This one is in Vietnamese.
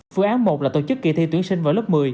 phương án một là tổ chức kỳ thi tuyển sinh vào lớp một mươi